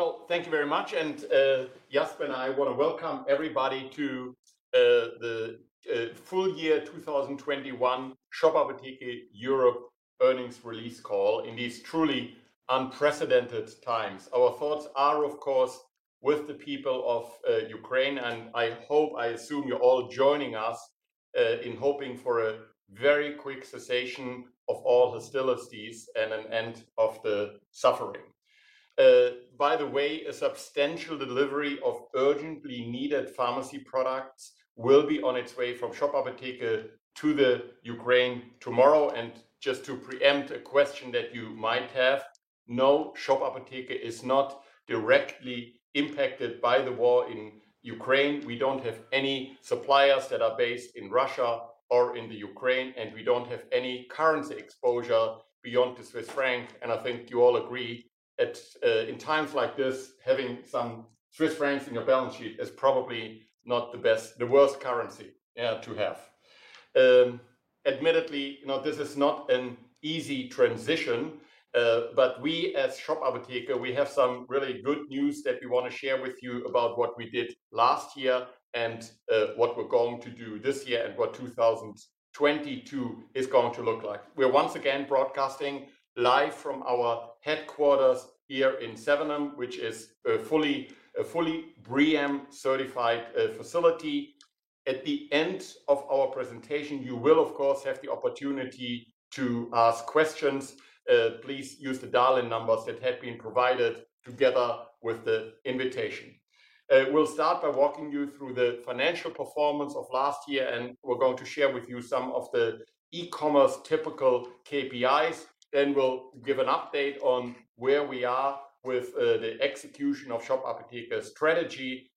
Well, thank you very much. Jasper and I wanna welcome everybody to the full year 2021 Shop Apotheke Europe earnings release call in these truly unprecedented times. Our thoughts are, of course, with the people of Ukraine. I hope, I assume you're all joining us in hoping for a very quick cessation of all hostilities and an end of the suffering. By the way, a substantial delivery of urgently needed pharmacy products will be on its way from Shop Apotheke to the Ukraine tomorrow. Just to preempt a question that you might have. No, Shop Apotheke is not directly impacted by the war in Ukraine. We don't have any suppliers that are based in Russia or in the Ukraine, and we don't have any currency exposure beyond the Swiss franc. I think you all agree that, in times like this, having some Swiss francs in your balance sheet is probably not the worst currency to have. Admittedly, you know, this is not an easy transition. We, as Shop Apotheke, we have some really good news that we wanna share with you about what we did last year and what we're going to do this year and what 2022 is going to look like. We're once again broadcasting live from our headquarters here in Sevenum, which is a fully BREEAM-certified facility. At the end of our presentation, you will, of course, have the opportunity to ask questions. Please use the dial-in numbers that have been provided together with the invitation. We'll start by walking you through the financial performance of last year, and we're going to share with you some of the e-commerce typical KPIs. We'll give an update on where we are with the execution of Shop Apotheke strategy.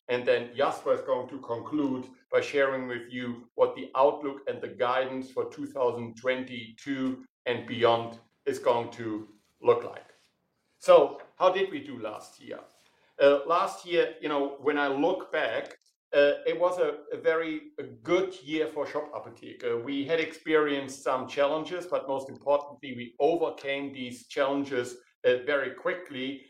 Jasper is going to conclude by sharing with you what the outlook and the guidance for 2022 and beyond is going to look like. How did we do last year? Last year, you know, when I look back, it was a very good year for Shop Apotheke. We had experienced some challenges, but most importantly, we overcame these challenges very quickly.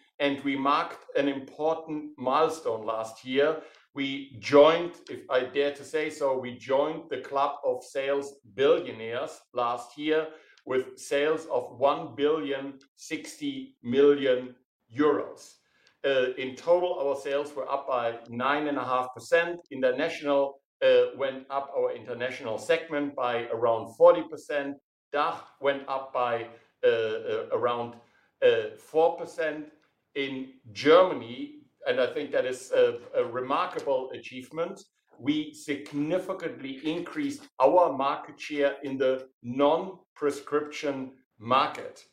We marked an important milestone last year. We joined, if I dare to say so, we joined the club of sales billionaires last year with sales of 1.06 billion. In total, our sales were up by 9.5%. Our international segment went up by around 40%. DACH went up by around 4%. In Germany, I think that is a remarkable achievement, we significantly increased our market share in the non-prescription market.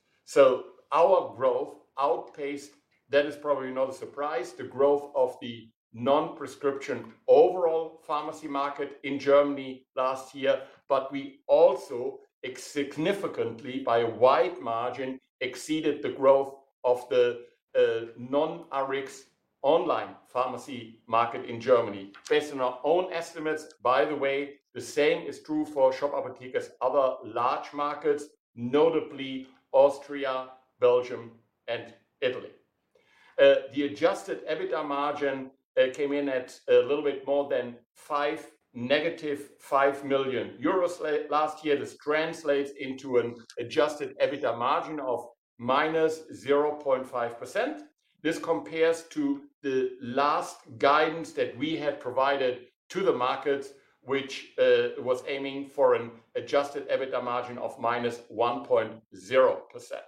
Our growth outpaced, that is probably not a surprise, the growth of the non-prescription overall pharmacy market in Germany last year. We also significantly, by a wide margin, exceeded the growth of the non-Rx online pharmacy market in Germany. Based on our own estimates, by the way, the same is true for Shop Apotheke's other large markets, notably Austria, Belgium, and Italy. The adjusted EBITDA margin came in at a little bit more than -5 million euros last year. This translates into an adjusted EBITDA margin of -0.5%. This compares to the last guidance that we had provided to the markets, which was aiming for an adjusted EBITDA margin of -1.0%.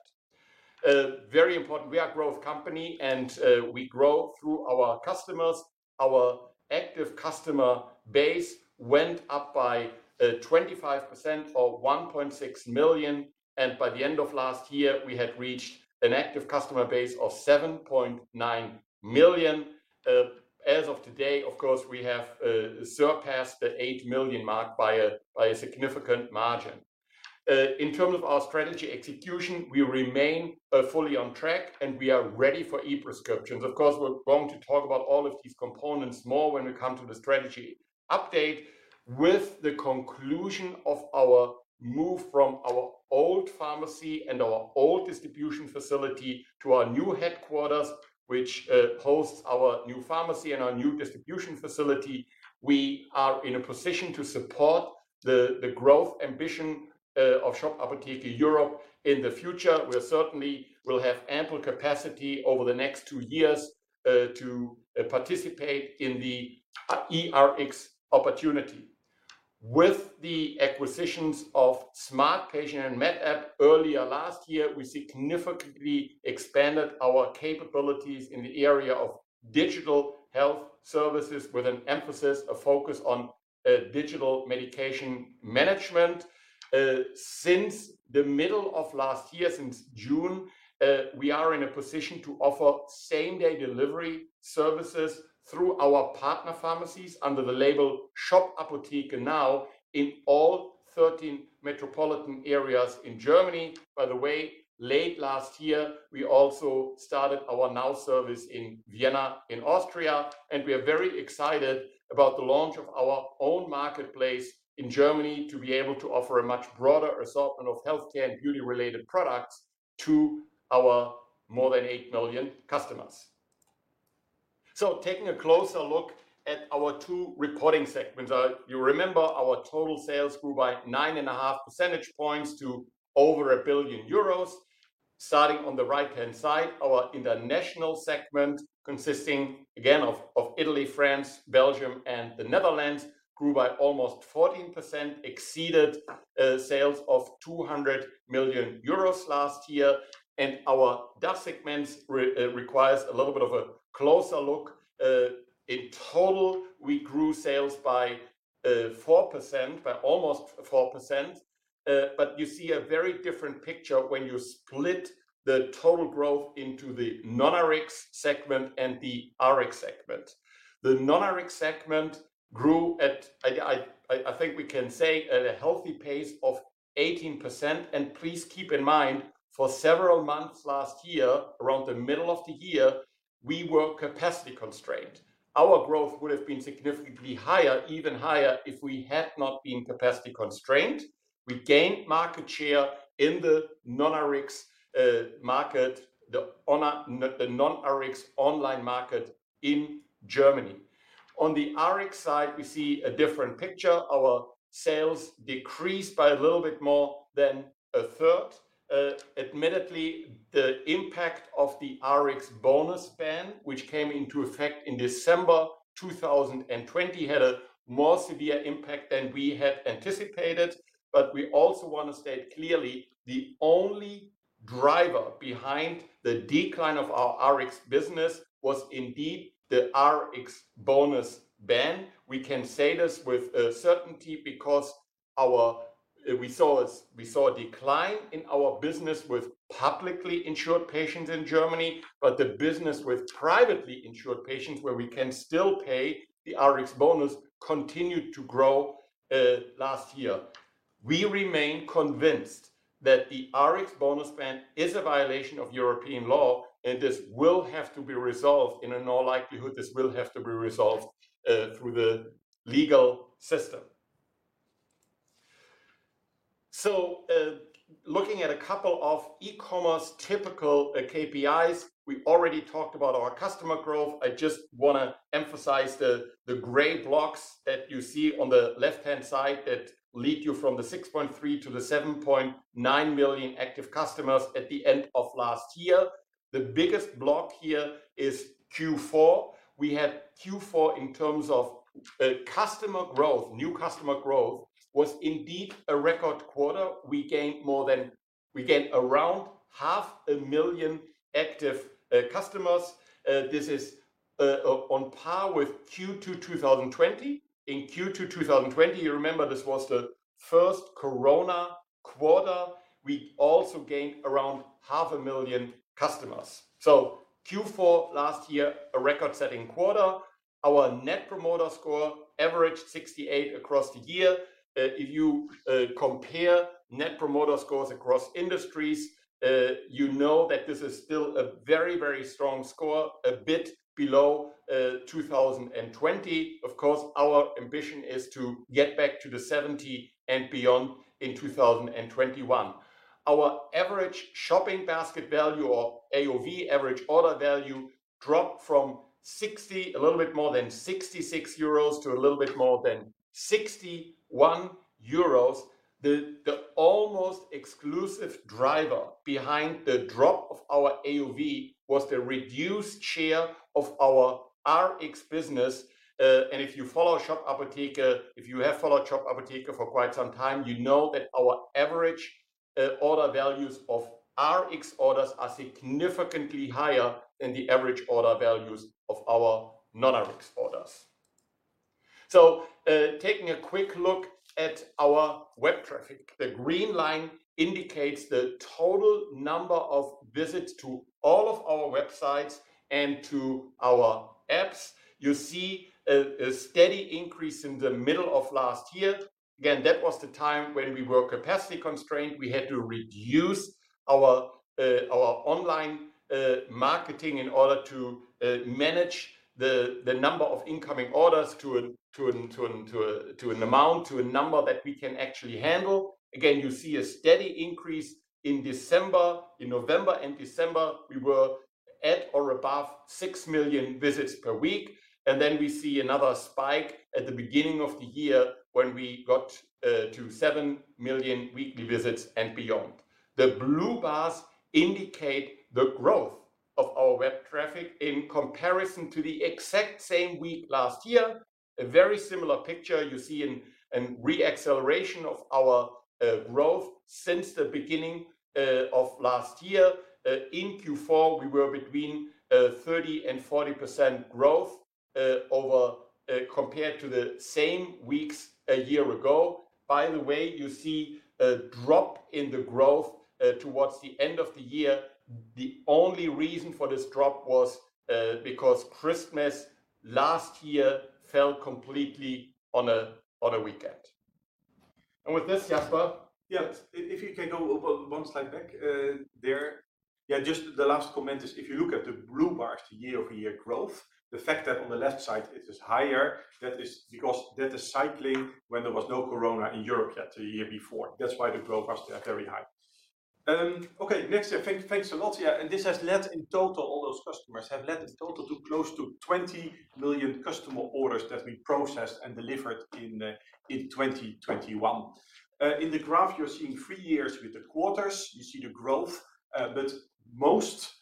Very important. We are a growth company and we grow through our customers. Our active customer base went up by 25% or 1.6 million, and by the end of last year, we had reached an active customer base of 7.9 million. As of today, of course, we have surpassed the 8 million mark by a significant margin. In terms of our strategy execution, we remain fully on track and we are ready for e-prescriptions. Of course, we're going to talk about all of these components more when we come to the strategy update. With the conclusion of our move from our old pharmacy and our old distribution facility to our new headquarters, which hosts our new pharmacy and our new distribution facility, we are in a position to support the growth ambition of Shop Apotheke Europe in the future. We certainly will have ample capacity over the next two years to participate in the eRx opportunity. With the acquisitions of SmartPatient and MedApp earlier last year, we significantly expanded our capabilities in the area of digital health services with an emphasis, a focus on digital medication management. Since the middle of last year, since June, we are in a position to offer same-day delivery services through our partner pharmacies under the label Shop Apotheke Now! in all 13 metropolitan areas in Germany. By the way, late last year, we also started our Now! service in Vienna, in Austria. We are very excited about the launch of our own marketplace in Germany to be able to offer a much broader assortment of healthcare and beauty-related products to our more than 8 million customers. Taking a closer look at our two reporting segments. You remember our total sales grew by 9.5 percentage points to over 1 billion euros. Starting on the right-hand side, our international segment, consisting again of Italy, France, Belgium, and the Netherlands, grew by almost 14%, exceeded sales of 200 million euros last year. Our DACH segments requires a little bit of a closer look. In total, we grew sales by 4%, by almost 4%. You see a very different picture when you split the total growth into the non-Rx segment and the Rx segment. The non-Rx segment grew at, I think we can say, at a healthy pace of 18%. Please keep in mind, for several months last year, around the middle of the year, we were capacity constrained. Our growth would have been significantly higher, even higher, if we had not been capacity constrained. We gained market share in the non-Rx market, the non-Rx online market in Germany. On the Rx side, we see a different picture. Our sales decreased by a little bit more than 1/3. Admittedly, the impact of the Rx bonus ban, which came into effect in December 2020, had a more severe impact than we had anticipated. We also want to state clearly the only driver behind the decline of our Rx business was indeed the Rx bonus ban. We can say this with certainty because we saw a decline in our business with publicly insured patients in Germany. The business with privately insured patients, where we can still pay the Rx bonus, continued to grow last year. We remain convinced that the Rx bonus ban is a violation of European law, and this will have to be resolved, in all likelihood, this will have to be resolved through the legal system. Looking at a couple of e-commerce typical KPIs. We already talked about our customer growth. I just want to emphasize the gray blocks that you see on the left-hand side that lead you from the 6.3 million to the 7.9 million active customers at the end of last year, the biggest block here is Q4. We had Q4 in terms of customer growth. New customer growth was indeed a record quarter. We gained around 500,000 active customers. This is on par with Q2 2020. In Q2 2020, you remember this was the first Corona quarter. We also gained around 500,000 customers. So, Q4 last year, a record-setting quarter. Our Net Promoter Score averaged 68 across the year. If you compare Net Promoter Scores across industries, you know that this is still a very, very strong score, a bit below 2020. Of course, our ambition is to get back to the 70 and beyond in 2021. Our average shopping basket value, or AOV, average order value, dropped from a little bit more than 66 euros to a little bit more than 61 euros. The almost exclusive driver behind the drop of our AOV was the reduced share of our Rx business. If you follow Shop Apotheke, if you have followed Shop Apotheke for quite some time, you know that our average order values of Rx orders are significantly higher than the average order values of our non-Rx orders. Taking a quick look at our web traffic. The green line indicates the total number of visits to all of our websites and to our apps. You see a steady increase in the middle of last year. Again, that was the time when we were capacity constrained. We had to reduce our online marketing in order to manage the number of incoming orders to a number that we can actually handle. Again, you see a steady increase in December. In November and December, we were at or above 6 million visits per week, and then we see another spike at the beginning of the year when we got to 7 million weekly visits and beyond. The blue bars indicate the growth of our web traffic in comparison to the exact same week last year. A very similar picture. You see a re-acceleration of our growth since the beginning of last year. In Q4, we were between 30% and 40% growth compared to the same weeks a year ago. By the way, you see a drop in the growth towards the end of the year. The only reason for this drop was because Christmas last year fell completely on a weekend. With this, Jasper? Yes, if you can go one slide back, there. Yeah, just the last comment is, if you look at the blue bars, the year-over-year growth, the fact that on the left side it is higher, that is because that is cycling when there was no Corona in Europe yet, the year before. That's why the growth was very high. Okay, next slide. Thanks a lot. Yeah, this has led in total, all those customers have led in total to close to 20 million customer orders that we processed and delivered in 2021. In the graph, you're seeing three years with the quarters. You see the growth, but most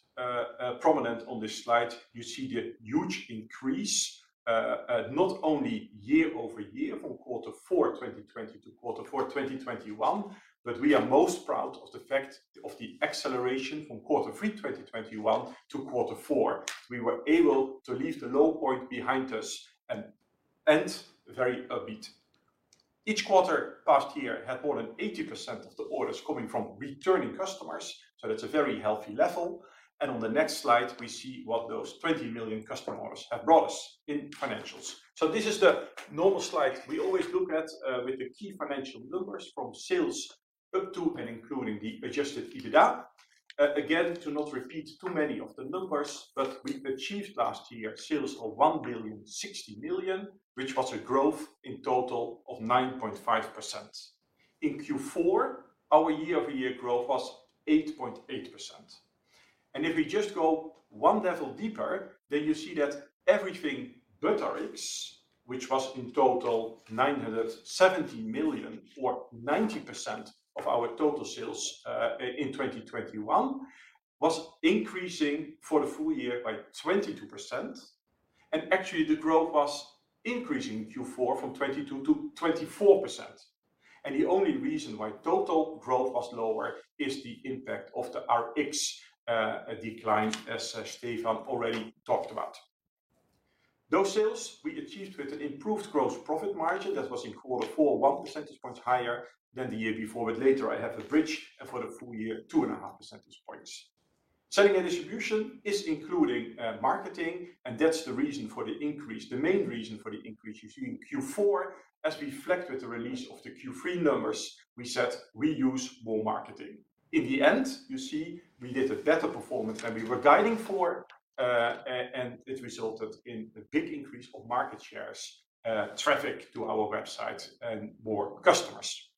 prominent on this slide, you see the huge increase, not only year-over-year from Q4 2020 to Q4 2021, but we are most proud of the fact of the acceleration from Q3 2021 to Q4. We were able to leave the low point behind us and end very upbeat. Each quarter past year had more than 80% of the orders coming from returning customers, so that's a very healthy level. On the next slide, we see what those 20 million customers have brought us in financials. This is the normal slide we always look at, with the key financial numbers from sales up to and including the adjusted EBITDA. Again, to not repeat too many of the numbers, but we achieved last year sales of 1.06 billion, which was a growth in total of 9.5%. In Q4, our year-over-year growth was 8.8%. If we just go one level deeper, then you see that everything but Rx, which was in total 970 million or 90% of our total sales, in 2021, was increasing for the full year by 22%. Actually, the growth was increasing in Q4 from 22% to 24%. The only reason why total growth was lower is the impact of the Rx decline, as Stefan already talked about. Those sales we achieved with an improved gross profit margin that was in quarter four, 1 percentage point higher than the year before, but later I have a bridge for the full year, 2.5 percentage points. Selling and distribution is including marketing, and that's the reason for the increase. The main reason for the increase you see in Q4, after the release of the Q3 numbers, we said we use more marketing. In the end, you see we did a better performance than we were guiding for, and it resulted in a big increase of market shares, traffic to our website and more customers.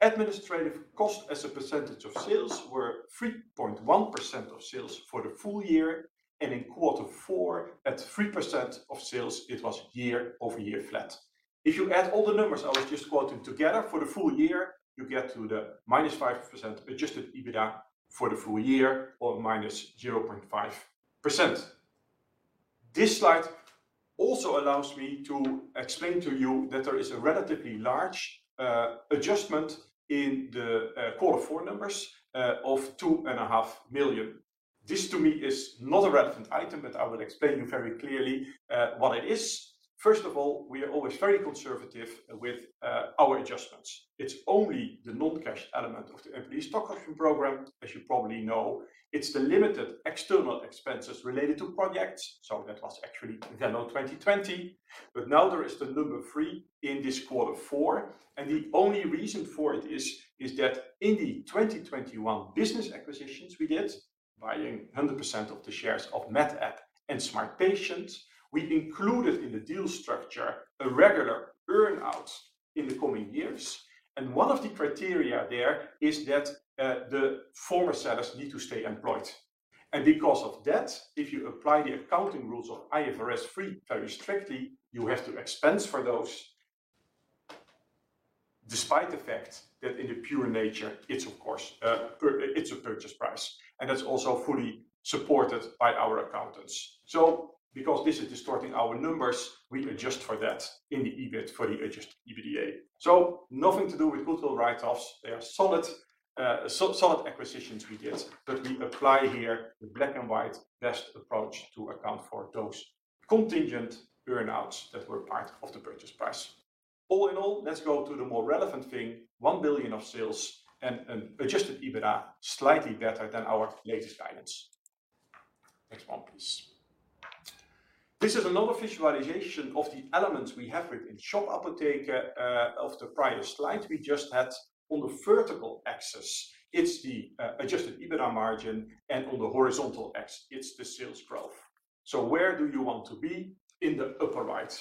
Administrative cost as a percentage of sales were 3.1% of sales for the full year, and in quarter four, at 3% of sales, it was year-over-year flat. If you add all the numbers I was just quoting together for the full year, you get to the -5% adjusted EBITDA for the full year or -0.5%. This slide also allows me to explain to you that there is a relatively large adjustment in the quarter four numbers of 2.5 million. This, to me is not a relevant item, but I will explain you very clearly what it is. First of all, we are always very conservative with our adjustments. It's only the non-cash element of the employee stock option program, as you probably know. It's the limited external expenses related to projects. So that was actually then on 2020. Now there is the number three in this quarter four. The only reason for it is that in the 2021 business acquisitions we did, buying 100% of the shares of MedApp and SmartPatient, we included in the deal structure a regular earn-out in the coming years. One of the criteria there is that the former sellers need to stay employed. Because of that, if you apply the accounting rules of IFRS 3 very strictly, you have to expense for those despite the fact that in the pure nature, it's of course, it's a purchase price, and that's also fully supported by our accountants. Because this is distorting our numbers, we adjust for that in the EBIT for the adjusted EBITDA. Nothing to do with good old write-offs. They are solid acquisitions we get, but we apply here the black and white best approach to account for those contingent earn-outs that were part of the purchase price. All in all, let's go to the more relevant thing, 1 billion of sales and an adjusted EBITDA, slightly better than our latest guidance. Next one, please. This is another visualization of the elements we have within Shop Apotheke, of the prior slide we just had. On the vertical axis, it's the adjusted EBITDA margin, and on the horizontal X, it's the sales growth. Where do you want to be? In the upper right,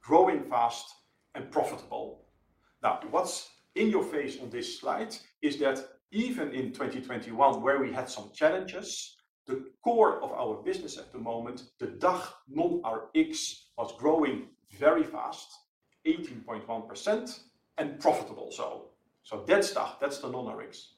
growing fast and profitable. What's in your face on this slide is that even in 2021, where we had some challenges, the core of our business at the moment, the DACH non-Rx, was growing very fast, 18.1%, and profitable, so. That stuff, that's the non-Rx.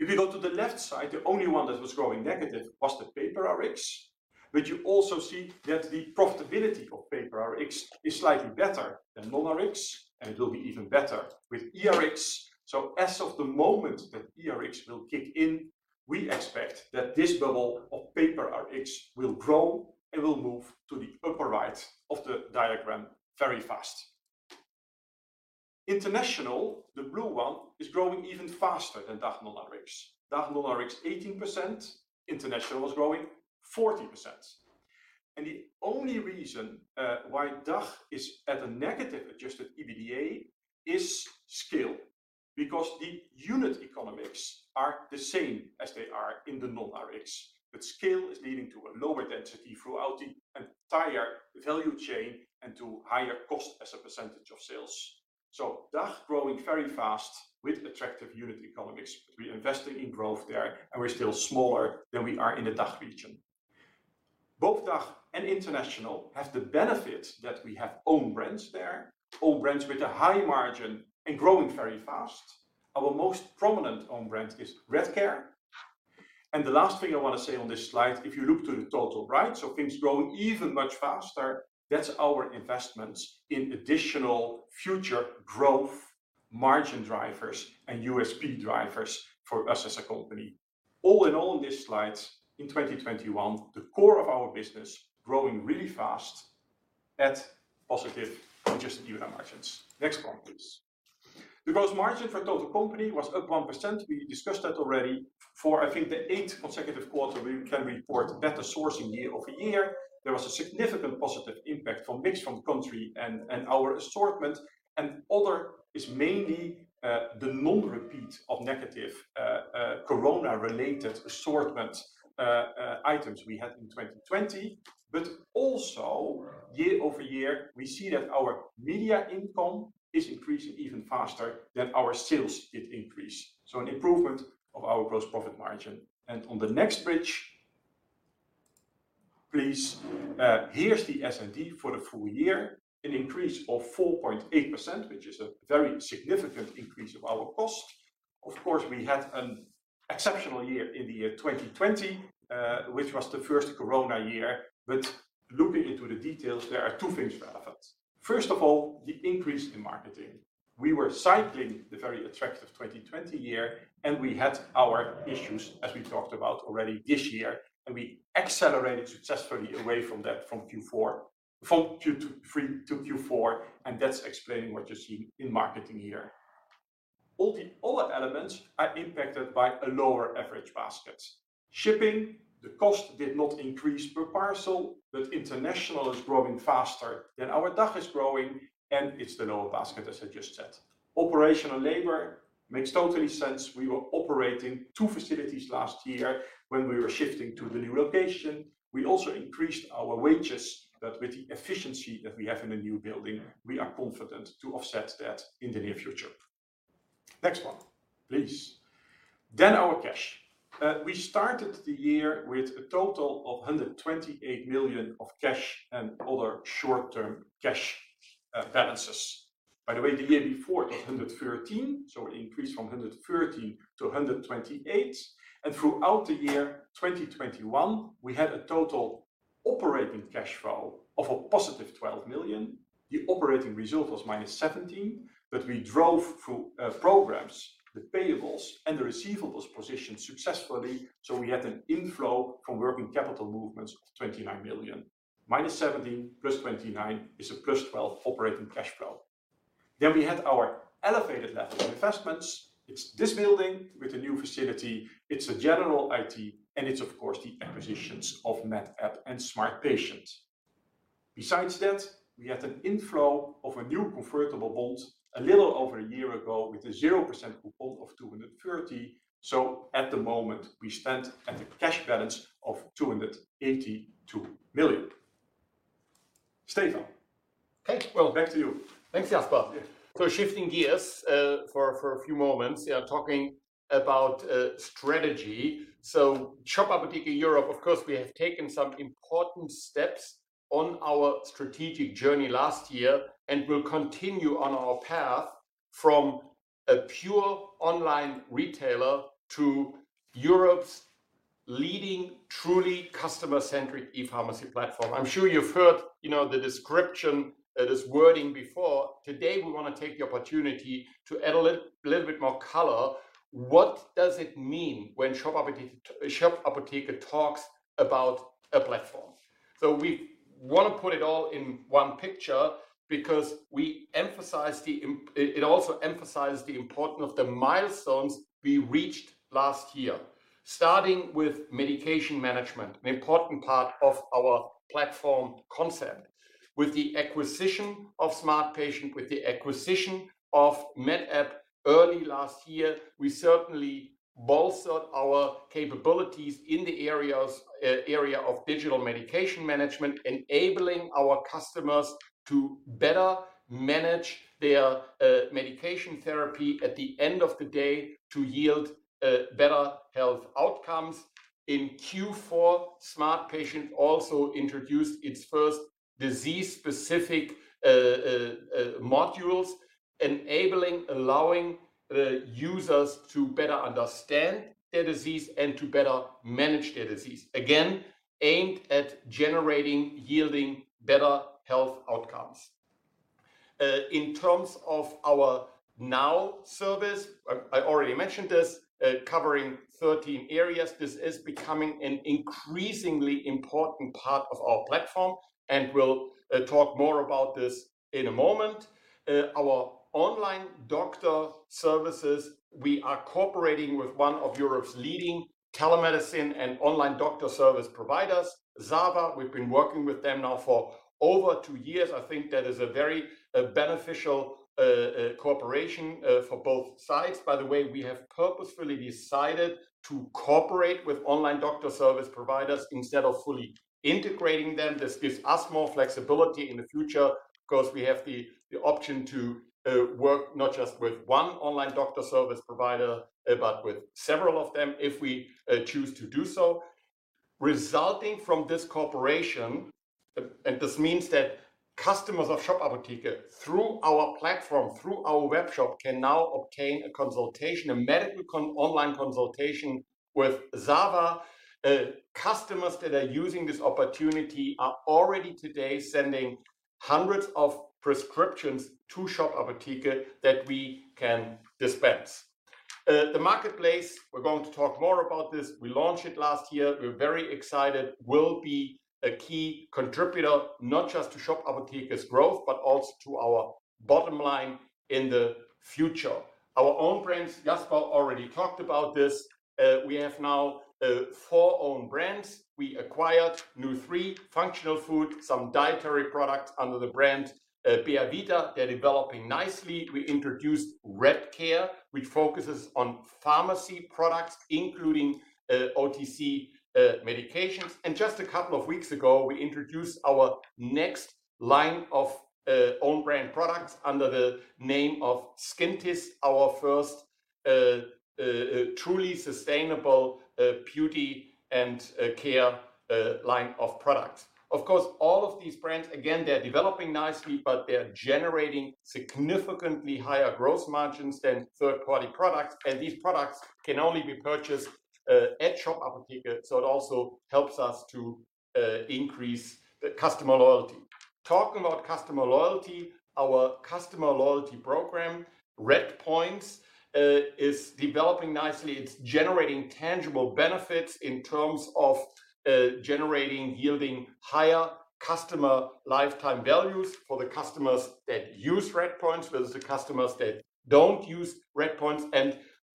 If you go to the left side, the only one that was growing negative was the paper Rx, but you also see that the profitability of paper Rx is slightly better than non-Rx, and it will be even better with eRx. As of the moment that eRx will kick in, we expect that this bubble of paper Rx will grow, and we'll move to the upper right of the diagram very fast. International, the blue one, is growing even faster than DACH non-Rx. DACH non-Rx 18%, international was growing 40%. The only reason why DACH is at a negative adjusted EBITDA is scale, because the unit economics are the same as they are in the non-Rx. Scale is leading to a lower density throughout the entire value chain and to higher cost as a percentage of sales. DACH growing very fast with attractive unit economics. We're investing in growth there, and we're still smaller than we are in the DACH region. Both DACH and international have the benefits that we have own brands there, own brands with a high margin and growing very fast. Our most prominent own brand is Redcare. The last thing I want to say on this slide, if you look to the total, right? Things grow even much faster, that's our investments in additional future growth margin drivers and USP drivers for us as a company. All in all, in this slide, in 2021, the core of our business growing really fast at positive adjusted EBITDA margins. Next one, please. The gross margin for total company was up 1%. We discussed that already. For, I think, the eighth consecutive quarter, we can report better sourcing year-over-year. There was a significant positive impact from mix from country and our assortment, and other is mainly the non-repeat of negative Corona-related assortment items we had in 2020. But also year-over-year, we see that our media income is increasing even faster than our sales did increase. So an improvement of our gross profit margin. On the next bridge, please, here's the S&D for the full year, an increase of 4.8%, which is a very significant increase of our costs. Of course, we had an exceptional year in the year 2020, which was the first Corona year. Looking into the details, there are two things relevant. First of all, the increase in marketing. We were cycling the very attractive 2020 year, and we had our issues, as we talked about already this year, and we accelerated successfully away from that from Q2, Q3, to Q4, and that's explaining what you see in marketing here. All the other elements are impacted by a lower average baskets. Shipping, the cost did not increase per parcel, but international is growing faster than our DACH is growing, and it's the lower basket, as I just said. Operational labor makes totally sense. We were operating two facilities last year when we were shifting to the new location. We also increased our wages, but with the efficiency that we have in the new building, we are confident to offset that in the near future. Next one, please. Then our cash. We started the year with a total of 128 million of cash and other short-term cash balances. By the way, the year before it was 113 million, so it increased from 113 million to 128 million. Throughout the year 2021, we had a total operating cash flow of a +12 million. The operating result was -17 million, but we drove through programs, the payables, and the receivables position successfully, so we had an inflow from working capital movements of 29 million. -17 million plus 29 million is a +12 million operating cash flow. Then we had our elevated level of investments. It's this building with a new facility, it's a general IT, and it's of course the acquisitions of MedApp and SmartPatient. Besides that, we had an inflow of a new convertible bond a little over a year ago with a 0% coupon of 230 million. At the moment we stand at a cash balance of 282 million. Stefan? Thank you. Well, back to you. Thanks, Jasper. Yeah. Shifting gears for a few moments. Yeah, talking about strategy. Shop Apotheke Europe, of course, we have taken some important steps on our strategic journey last year and will continue on our path from a pure online retailer to Europe's leading truly customer-centric e-pharmacy platform. I'm sure you've heard, you know, the description, this wording before. Today, we wanna take the opportunity to add a little bit more color. What does it mean when Shop Apotheke talks about a platform? We wanna put it all in one picture because it also emphasize the importance of the milestones we reached last year, starting with medication management, an important part of our platform concept. With the acquisition of SmartPatient, with the acquisition of MedApp early last year, we certainly bolstered our capabilities in the area of digital medication management, enabling our customers to better manage their medication therapy at the end of the day to yield better health outcomes. In Q4, SmartPatient also introduced its first disease-specific modules enabling, allowing users to better understand their disease and to better manage their disease. Again, aimed at generating, yielding better health outcomes. In terms of our Now! service, I already mentioned this, covering 13 areas. This is becoming an increasingly important part of our platform, and we'll talk more about this in a moment. Our online doctor services, we are cooperating with one of Europe's leading telemedicine and online doctor service providers, ZAVA. We've been working with them now for over two years. I think that is a very beneficial cooperation for both sides. By the way, we have purposefully decided to cooperate with online doctor service providers instead of fully integrating. This gives us more flexibility in the future because we have the option to work not just with one online doctor service provider, but with several of them if we choose to do so. Resulting from this cooperation, and this means that customers of Shop Apotheke through our platform, through our webshop, can now obtain a consultation, medical online consultation with ZAVA. Customers that are using this opportunity are already today sending hundreds of prescriptions to Shop Apotheke that we can dispense. The marketplace, we're going to talk more about this, we launched it last year, we're very excited, will be a key contributor not just to Shop Apotheke's growth, but also to our bottom line in the future. Our own brands, Jasper already talked about this. We have now four own brands. We acquired nu3 functional food, some dietary products under the brand BEAVITA. They're developing nicely. We introduced Redcare, which focuses on pharmacy products, including OTC medications. Just a couple of weeks ago, we introduced our next line of own brand products under the name of SKINTIST, our first truly sustainable beauty and care line of products. Of course, all of these brands, again, they're developing nicely, but they're generating significantly higher gross margins than third-party products. These products can only be purchased at Shop Apotheke, so it also helps us to increase the customer loyalty. Talking about customer loyalty, our customer loyalty program, RedPoints, is developing nicely. It's generating tangible benefits in terms of generating, yielding higher customer lifetime values for the customers that use RedPoints versus the customers that don't use RedPoints.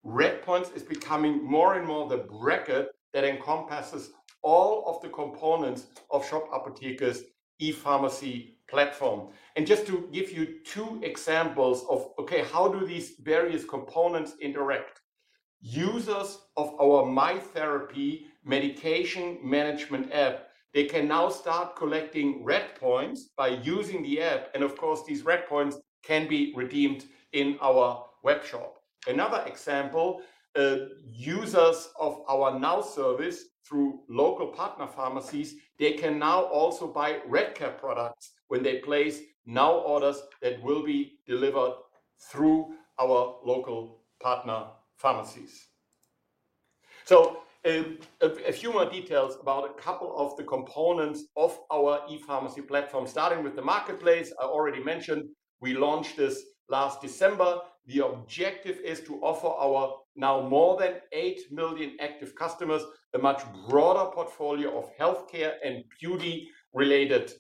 RedPoints is becoming more and more the bracket that encompasses all of the components of Shop Apotheke's e-pharmacy platform. Just to give you two examples of how these various components interact. Users of our MyTherapy medication management app, they can now start collecting RedPoints by using the app, and of course, these RedPoints can be redeemed in our webshop. Another example, users of our Now! service through local partner pharmacies, they can now also buy Redcare products when they place Now! orders that will be delivered through our local partner pharmacies. A few more details about a couple of the components of our e-pharmacy platform, starting with the marketplace. I already mentioned we launched this last December. The objective is to offer our now more than 8 million active customers a much broader portfolio of healthcare and beauty-related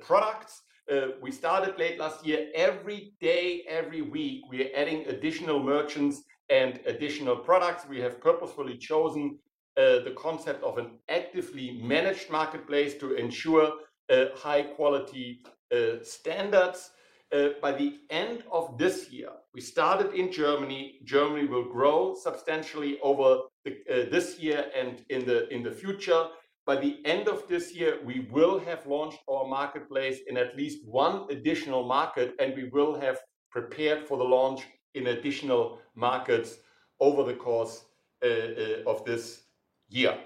products. We started late last year. Every day, every week, we are adding additional merchants and additional products. We have purposefully chosen the concept of an actively managed marketplace to ensure high quality standards. By the end of this year, we started in Germany. Germany will grow substantially over this year and in the future. By the end of this year, we will have launched our marketplace in at least one additional market, and we will have prepared for the launch in additional markets over the course of this year.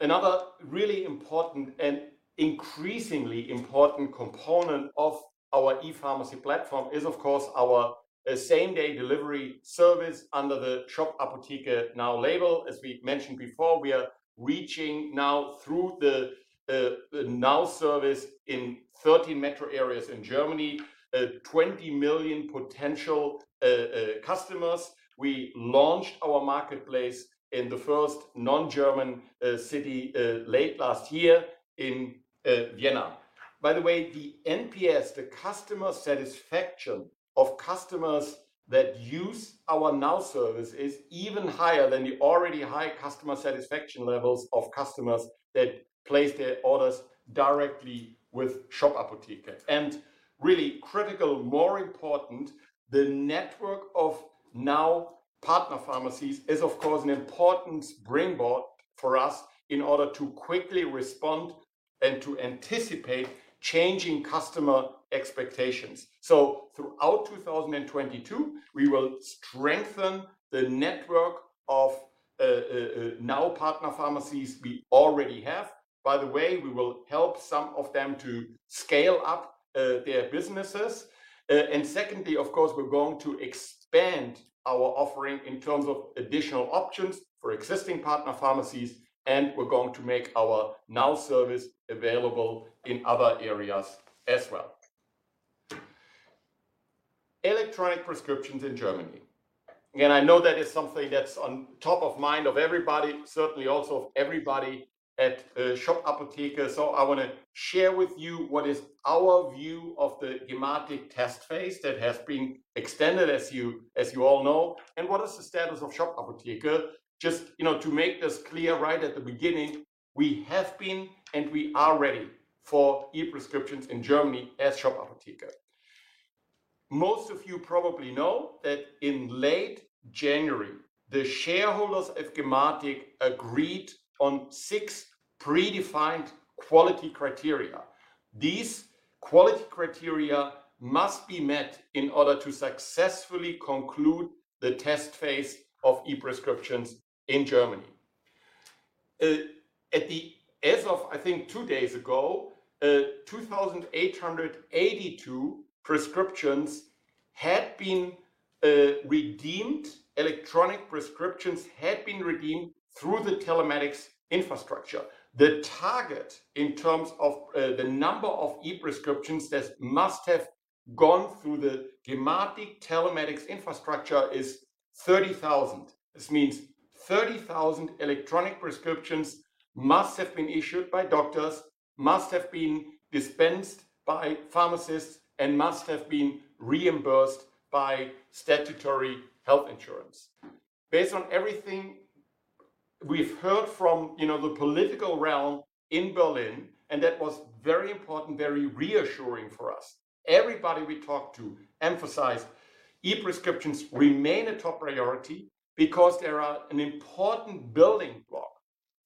Another really important and increasingly important component of our e-pharmacy platform is, of course, our same-day delivery service under the Shop Apotheke Now! label. As we mentioned before, we are reaching now through the Now! service in 13 metro areas in Germany, 20 million potential customers. We launched our marketplace in the first non-German city late last year in Vienna. By the way, the NPS, the customer satisfaction of customers that use our Now! service is even higher than the already high customer satisfaction levels of customers that place their orders directly with Shop Apotheke. Really critical, more important, the network of Now! partner pharmacies is, of course, an important springboard for us in order to quickly respond and to anticipate changing customer expectations. Throughout 2022, we will strengthen the network of Now! partner pharmacies we already have. By the way, we will help some of them to scale up their businesses. And secondly, of course, we're going to expand our offering in terms of additional options for existing partner pharmacies, and we're going to make our Now! service available in other areas as well. Electronic prescriptions in Germany, and I know that is something that's on top of mind of everybody, certainly also of everybody at Shop Apotheke. I wanna share with you what is our view of the Gematik test phase that has been extended, as you all know, and what is the status of Shop Apotheke. Just, you know, to make this clear right at the beginning, we have been and we are ready for e-prescriptions in Germany as Shop Apotheke. Most of you probably know that in late January, the shareholders of Gematik agreed on six predefined quality criteria. These quality criteria must be met in order to successfully conclude the test phase of e-prescriptions in Germany. As of, I think two days ago, 2,882 prescriptions had been redeemed, electronic prescriptions had been redeemed through the telematics infrastructure. The target in terms of the number of e-prescriptions that must have gone through the Gematik telematics infrastructure is 30,000. This means 30,000 electronic prescriptions must have been issued by doctors, must have been dispensed by pharmacists, and must have been reimbursed by statutory health insurance. Based on everything we've heard from, you know, the political realm in Berlin, and that was very important, very reassuring for us. Everybody we talked to emphasized e-prescriptions remain a top priority because they are an important building block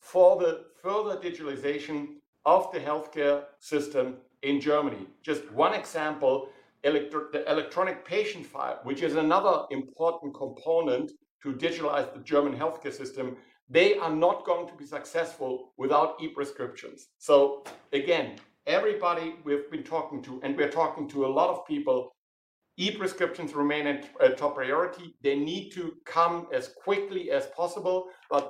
for the further digitalization of the healthcare system in Germany. Just one example, the electronic patient file, which is another important component to digitalize the German healthcare system. They are not going to be successful without e-prescriptions. Again, everybody we've been talking to, and we're talking to a lot of people, e-prescriptions remain a top priority. They need to come as quickly as possible.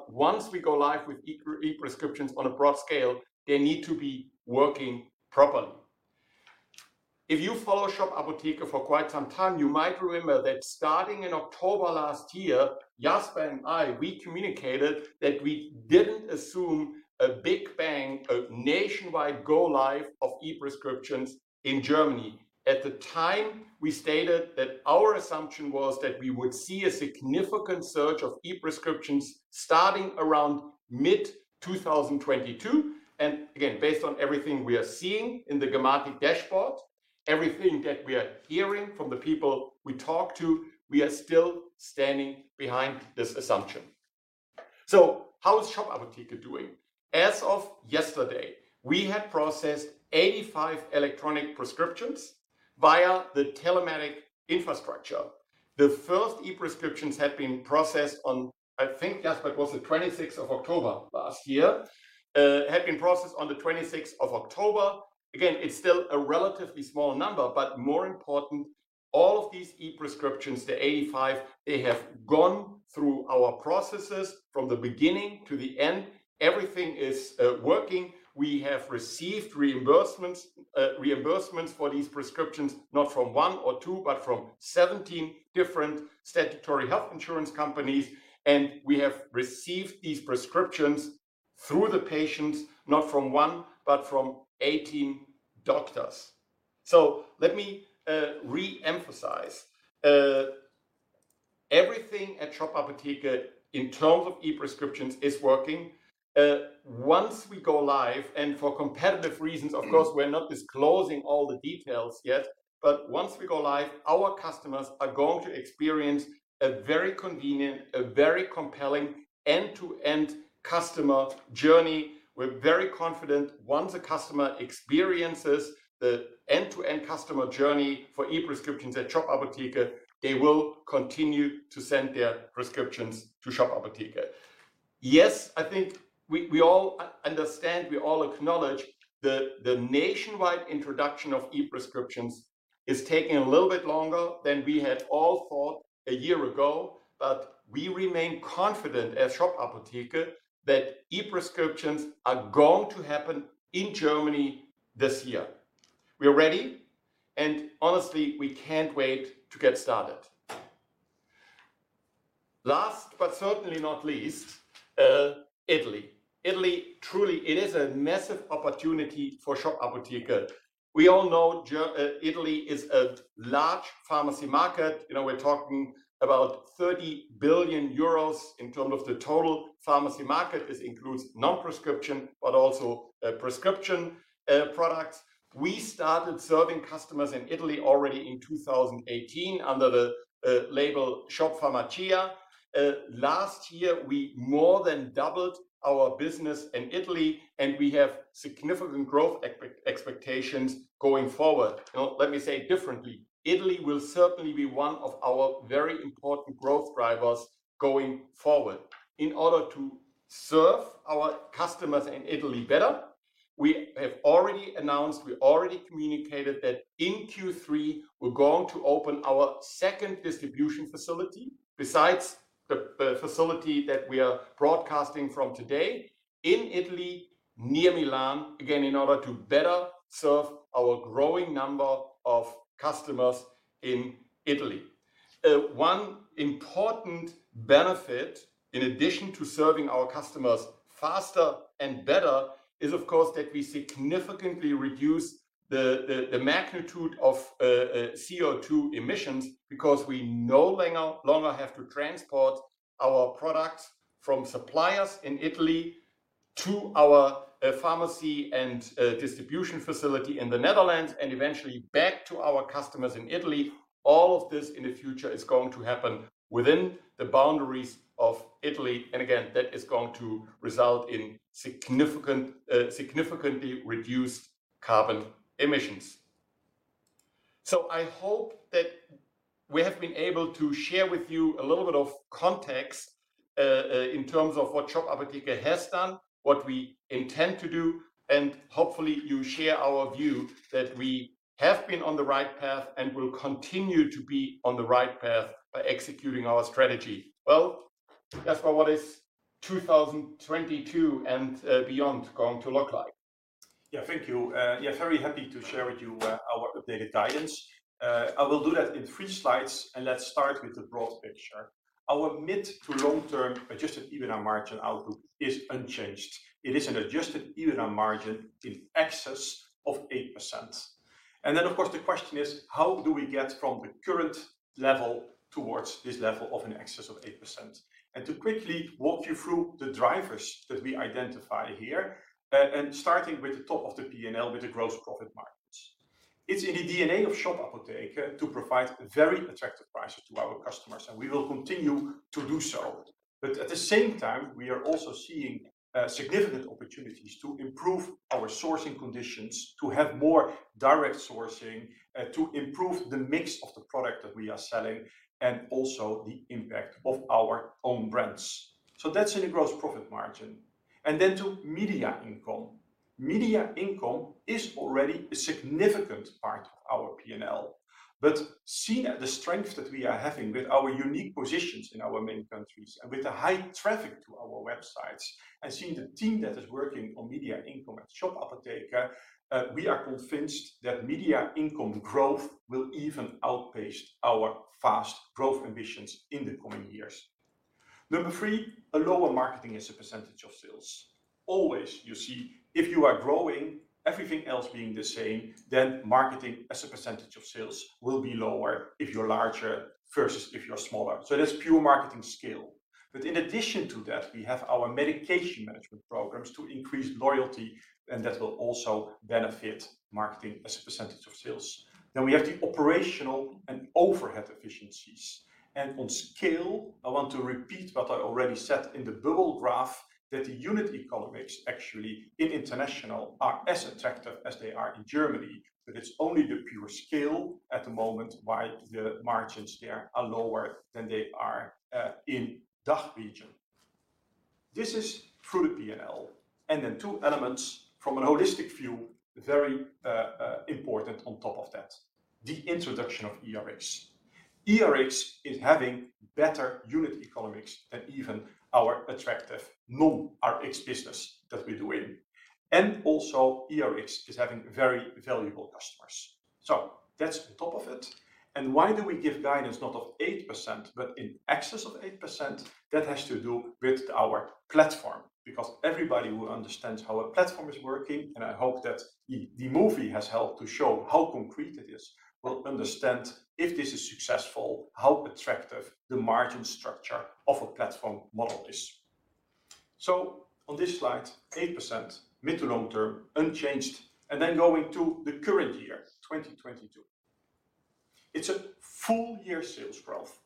Once we go live with e-prescriptions on a broad scale, they need to be working properly. If you follow Shop Apotheke for quite some time, you might remember that starting in October last year, Jasper and I, we communicated that we didn't assume a big bang of nationwide go live of e-prescriptions in Germany. At the time, we stated that our assumption was that we would see a significant surge of e-prescriptions starting around mid-2022. Again, based on everything we are seeing in the Gematik dashboard, everything that we are hearing from the people we talk to, we are still standing behind this assumption. How is Shop Apotheke doing? As of yesterday, we had processed 85 electronic prescriptions via the telematics infrastructure. The first e-prescriptions had been processed on, I think, Jasper, it was the 26th of October last year, have been processed on the 26th of October. Again, it's still a relatively small number, but more important, all of these e-prescriptions, the 85, they have gone through our processes from the beginning to the end. Everything is working. We have received reimbursements for these prescriptions, not from one or two, but from 17 different statutory health insurance companies. We have received these prescriptions through the patients, not from one, but from 18 doctors. Let me re-emphasize. Everything at Shop Apotheke in terms of e-prescriptions is working. Once we go live, and for competitive reasons, of course, we're not disclosing all the details yet, but once we go live, our customers are going to experience a very convenient, a very compelling end-to-end customer journey. We're very confident once a customer experiences the end-to-end customer journey for e-prescriptions at Shop Apotheke, they will continue to send their prescriptions to Shop Apotheke. Yes, I think we all understand, we all acknowledge the nationwide introduction of e-prescriptions is taking a little bit longer than we had all thought a year ago. We remain confident at Shop Apotheke that e-prescriptions are going to happen in Germany this year. We are ready, and honestly, we can't wait to get started. Last, but certainly not least, Italy. Italy truly it is a massive opportunity for Shop Apotheke. We all know Italy is a large pharmacy market. You know, we're talking about 30 billion euros in terms of the total pharmacy market. This includes non-prescription but also prescription products. We started serving customers in Italy already in 2018 under the label Shop Farmacia. Last year, we more than doubled our business in Italy, and we have significant growth expectations going forward. You know, let me say it differently. Italy will certainly be one of our very important growth drivers going forward. In order to serve our customers in Italy better, we have already announced, we already communicated that in Q3, we're going to open our second distribution facility besides the facility that we are broadcasting from today in Italy, near Milan, again, in order to better serve our growing number of customers in Italy. One important benefit in addition to serving our customers faster and better is of course that we significantly reduce the magnitude of CO2 emissions because we no longer have to transport our products from suppliers in Italy to our pharmacy and distribution facility in the Netherlands and eventually back to our customers in Italy. All of this in the future is going to happen within the boundaries of Italy, and again, that is going to result in significantly reduced carbon emissions. I hope that we have been able to share with you a little bit of context in terms of what Shop Apotheke has done, what we intend to do, and hopefully you share our view that we have been on the right path and will continue to be on the right path by executing our strategy. Well, Jasper, what is 2022 and beyond going to look like? Yeah, thank you. Yeah, very happy to share with you, our updated guidance. I will do that in three slides, and let's start with the broad picture. Our mid to long term adjusted EBITDA margin outlook is unchanged. It is an adjusted EBITDA margin in excess of 8%. Then of course, the question is, how do we get from the current level towards this level of in excess of 8%? To quickly walk you through the drivers that we identify here, and starting with the top of the P&L with the gross profit margins. It's in the DNA of Shop Apotheke to provide very attractive prices to our customers, and we will continue to do so. At the same time, we are also seeing significant opportunities to improve our sourcing conditions, to have more direct sourcing, to improve the mix of the product that we are selling, and also the impact of our own brands. That's in the gross profit margin. Then to media income. Media income is already a significant part of our P&L. Seeing the strength that we are having with our unique positions in our main countries and with the high traffic to our websites and seeing the team that is working on media income at Shop Apotheke, we are convinced that media income growth will even outpace our fast growth ambitions in the coming years. Number three, a lower marketing as a percentage of sales. As you see, if you are growing, everything else being the same, then marketing as a percentage of sales will be lower if you're larger versus if you're smaller. That's pure marketing scale. In addition to that, we have our medication management programs to increase loyalty, and that will also benefit marketing as a percentage of sales. We have the operational and overhead efficiencies. On scale, I want to repeat what I already said in the bubble graph, that the unit economics actually in international are as attractive as they are in Germany. It's only the pure scale at the moment why the margins there are lower than they are in DACH region. This is through the P&L and then two elements from an holistic view, very important on top of that. The introduction of eRx eRx is having better unit economics than even our attractive non-Rx business that we do in. Also, eRx is having very valuable customers. That's the top of it. Why do we give guidance not of 8% but in excess of 8%? That has to do with our platform, because everybody who understands how a platform is working, and I hope that the movie has helped to show how concrete it is, will understand if this is successful, how attractive the margin structure of a platform model is. On this slide, 8% mid- to long-term unchanged. Going to the current year, 2022. It's a full year sales growth,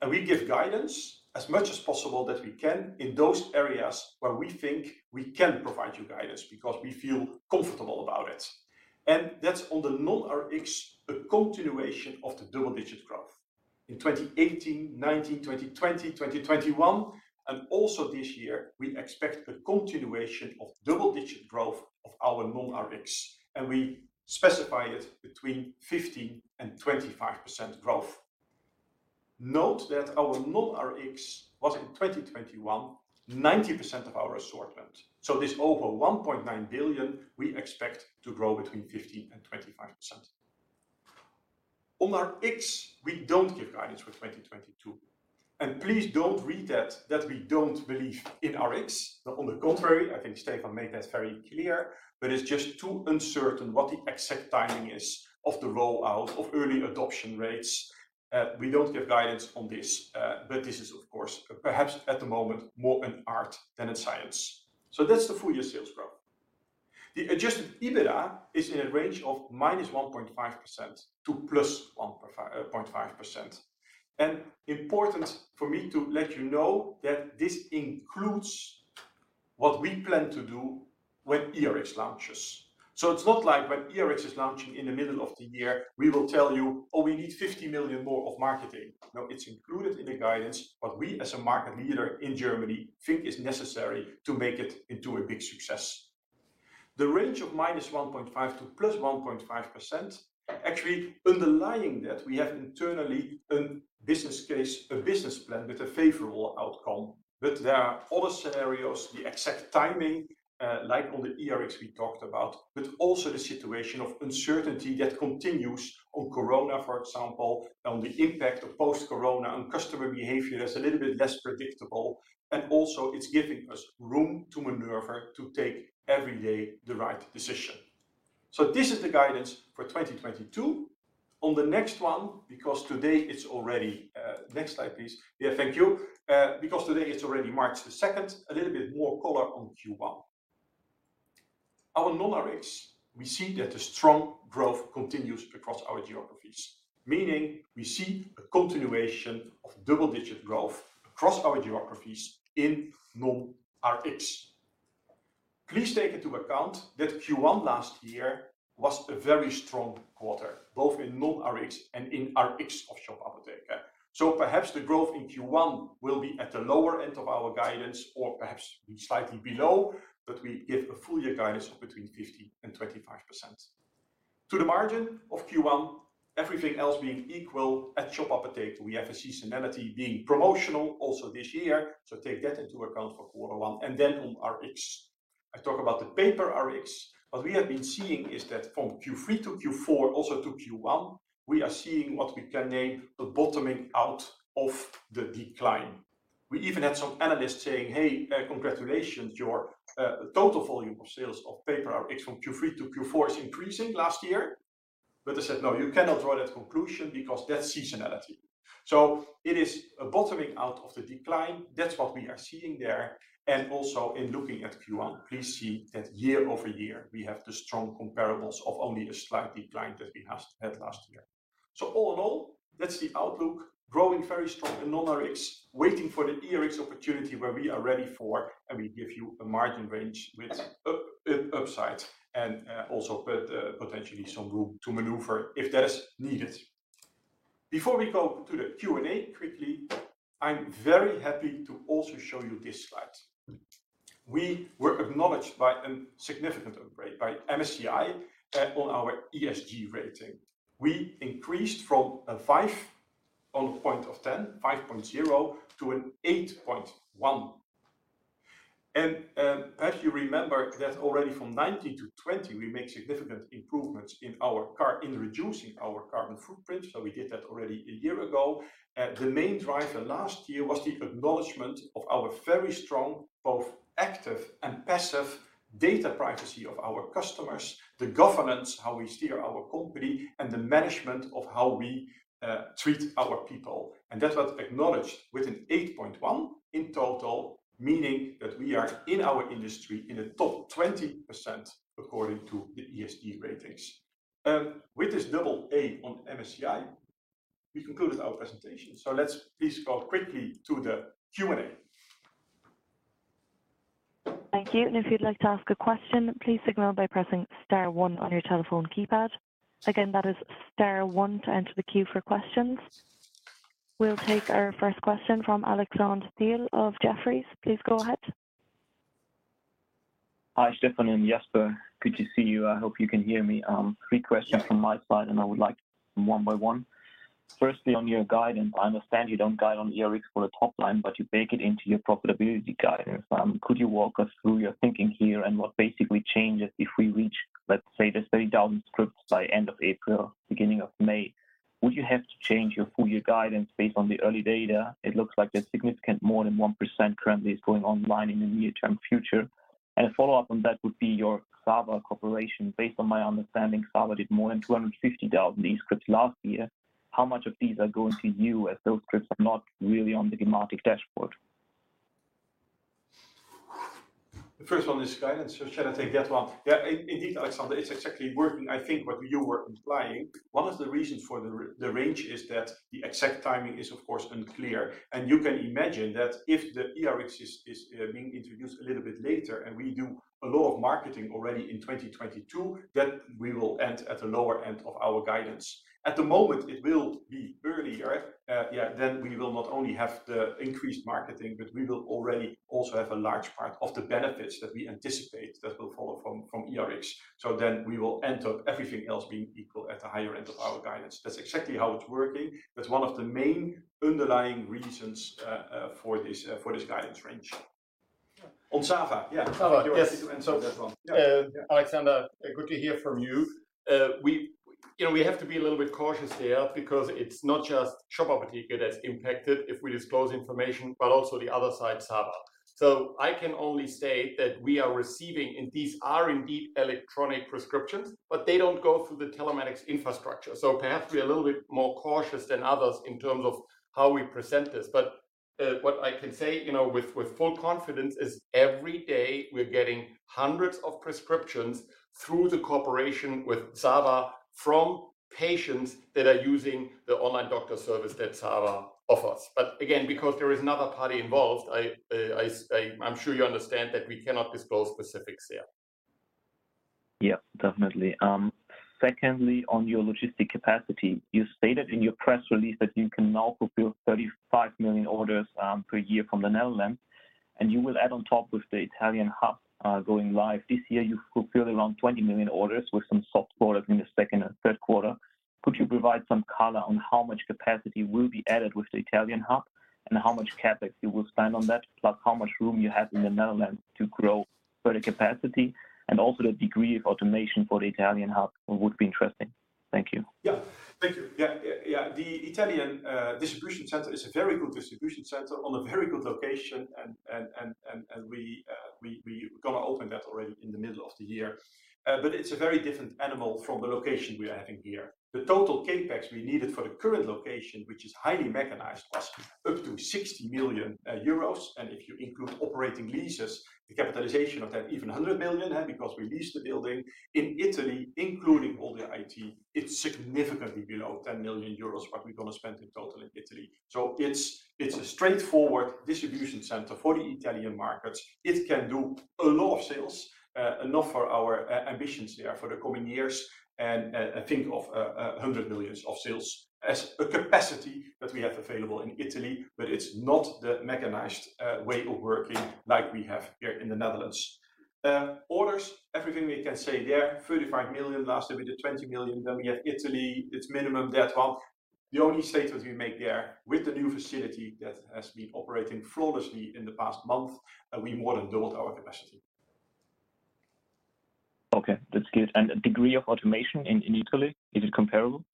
and we give guidance as much as possible that we can in those areas where we think we can provide you guidance because we feel comfortable about it. That's on the non-Rx, a continuation of the double-digit growth. In 2018, 2019, 2020, 2021, and also this year, we expect a continuation of double-digit growth of our non-Rx, and we specify it between 15%-25% growth. Note that our non-Rx was in 2021, 90% of our assortment. So this over 1.9 billion we expect to grow between 15%-25%. On Rx, we don't give guidance for 2022. Please don't read that we don't believe in Rx. On the contrary, I think Stefan made that very clear, but it's just too uncertain what the exact timing is of the rollout of early adoption rates. We don't give guidance on this, but this is of course, perhaps at the moment, more an art than a science. That's the full year sales growth. The adjusted EBITDA is in a range of -1.5% to +1.5%. Important for me to let you know that this includes what we plan to do when eRx launches. It's not like when eRx is launching in the middle of the year, we will tell you, "Oh, we need 50 million more of marketing." No, it's included in the guidance. What we as a market leader in Germany think is necessary to make it into a big success. The range of -1.5% to +1.5%, actually underlying that we have internally a business case, a business plan with a favorable outcome. There are other scenarios, the exact timing, like on the eRx we talked about, but also the situation of uncertainty that continues on Corona, for example, on the impact of post-Corona on customer behavior that's a little bit less predictable. Also it's giving us room to maneuver to take every day the right decision. This is the guidance for 2022. On the next one, because today it's already next slide, please. Yeah, thank you. Because today is already March 2nd, a little bit more color on Q1. Our non-Rx, we see that the strong growth continues across our geographies. Meaning we see a continuation of double-digit growth across our geographies in non-Rx. Please take into account that Q1 last year was a very strong quarter, both in non-Rx and in Rx of Shop Apotheke. Perhaps the growth in Q1 will be at the lower end of our guidance or perhaps be slightly below, but we give a full year guidance of between 15% and 25%. To the margin of Q1, everything else being equal at Shop Apotheke, we have a seasonality being promotional also this year. Take that into account for quarter one. Then on Rx. I talk about the paper Rx. What we have been seeing is that from Q3 to Q4, also to Q1, we are seeing what we can name the bottoming out of the decline. We even had some analysts saying, "Hey, congratulations, your total volume of sales of paper Rx from Q3 to Q4 is increasing last year." I said, "No, you cannot draw that conclusion because that's seasonality." It is a bottoming out of the decline. That's what we are seeing there. In looking at Q1, please see that year-over-year, we have the strong comparables of only a slight decline that we had last year. All in all, that's the outlook growing very strong in non-Rx, waiting for the eRx opportunity where we are ready for, and we give you a margin range with upside and also put potentially some room to maneuver if that is needed. Before we go to the Q&A quickly, I'm very happy to also show you this slide. We were acknowledged by a significant upgrade by MSCI on our ESG rating. We increased from a 5 out of 10, 5.0 to an 8.1. As you remember that already from 2019 to 2020, we made significant improvements in reducing our carbon footprint. We did that already a year ago. The main driver last year was the acknowledgment of our very strong, both active and passive data privacy of our customers, the governance, how we steer our company, and the management of how we treat our people. That was acknowledged with an 8.1 in total, meaning that we are in our industry in the top 20% according to the ESG ratings. With this AA on MSCI, we conclude our presentation. Let's please go quickly to the Q&A. Thank you. If you'd like to ask a question, please signal by pressing star one on your telephone keypad. Again, that is star one to enter the queue for questions. We'll take our first question from Alexander Thiel of Jefferies. Please go ahead. Hi, Stefan and Jasper. Good to see you. I hope you can hear me. Three questions from my side, and I would like one by one. Firstly, on your guidance, I understand you don't guide on eRx for the top line, but you bake it into your profitability guidance. Could you walk us through your thinking here and what basically changes if we reach, let's say, the 30,000 scripts by end of April, beginning of May? Would you have to change your full year guidance based on the early data? It looks like there's significantly more than 1% currently going online in the near-term future. A follow-up on that would be your ZAVA cooperation. Based on my understanding, ZAVA did more than 250,000 e-scripts last year. How much of these are going to you as those scripts are not really on the Gematik dashboard? The first one is guidance. Shall I take that one? Yeah. Indeed, Alexander, it's exactly working. I think what you were implying, one of the reasons for the range is that the exact timing is of course unclear. You can imagine that if the eRx is being introduced a little bit later and we do a lot of marketing already in 2022, then we will end at the lower end of our guidance. At the moment, it will be earlier. We will not only have the increased marketing, but we will already also have a large part of the benefits that we anticipate that will follow from eRx. We will end up everything else being equal at the higher end of our guidance. That's exactly how it's working. That's one of the main underlying reasons for this guidance range. On ZAVA. Yeah. On ZAVA. Yes. You want me to answer that one? Yeah Alexander, good to hear from you. We, you know, we have to be a little bit cautious here because it's not just Shop Apotheke that's impacted if we disclose information, but also the other side, ZAVA. I can only say that we are receiving, and these are indeed electronic prescriptions, but they don't go through the telematics infrastructure. Perhaps we are a little bit more cautious than others in terms of how we present this. What I can say, you know, with full confidence is every day we're getting hundreds of prescriptions through the cooperation with ZAVA from patients that are using the online doctor service that ZAVA offers. Again, because there is another party involved, I'm sure you understand that we cannot disclose specifics there. Yeah, definitely. Secondly, on your logistics capacity, you stated in your press release that you can now fulfill 35 million orders per year from the Netherlands, and you will add on top with the Italian hub going live. This year, you fulfilled around 20 million orders with some soft quarters in the second and third quarter. Could you provide some color on how much capacity will be added with the Italian hub and how much CapEx you will spend on that, plus how much room you have in the Netherlands to grow further capacity? Also the degree of automation for the Italian hub would be interesting. Thank you Yeah. The Italian distribution center is a very good distribution center on a very good location. We gonna open that already in the middle of the year. But it's a very different animal from the location we are having here. The total CapEx we needed for the current location, which is highly mechanized, was up to 60 million euros. If you include operating leases, the capitalization of that even 100 million, because we lease the building. In Italy, including all the IT, it's significantly below 10 million euros, what we're gonna spend in total in Italy. It's a straightforward distribution center for the Italian markets. It can do a lot of sales, enough for our ambitions there for the coming years. I think of 100 million of sales as a capacity that we have available in Italy, but it's not the mechanized way of working like we have here in the Netherlands. Orders, everything we can say there, 35 million last year, we did 20 million. We have Italy, it's minimum that one. The only statement we make there with the new facility that has been operating flawlessly in the past month, that we more than doubled our capacity. Okay, that's good. Degree of automation in Italy, is it comparable?